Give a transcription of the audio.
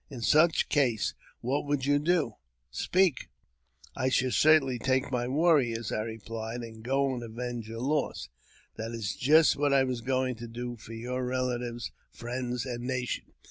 In such a case, what would you do ? Speak !"*' I should certainly take my warriors," I replied, " and go and avenge your loss." " That is just what I was going to do for your relatives, friends, and nation.